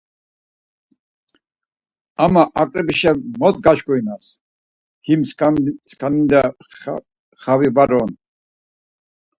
Ama aǩrep̌işe mot gaşǩurinas; him sǩaninde xavi var on.